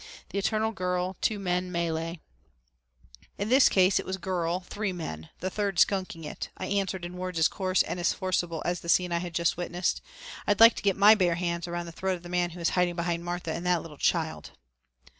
"The eternal girl, two men melee." "In this case it was girl three men, the third skunking it," I answered in words as coarse and as forcible as the scene I had just witnessed. "I'd like to get my bare hands around the throat of the man who is hiding behind Martha and that little child."